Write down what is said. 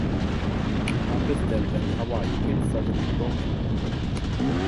Han beställde en hawaiipizza den här gången.